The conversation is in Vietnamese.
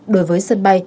đối với sân bay